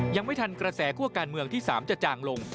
ยังไม่ทันกระแสคั่วการเมืองที่๓จะจางลง